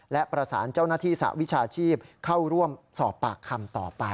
และประสานเจ้าหน้าที่สหวิชาชีพเข้าร่วมสอบปากคำต่อไป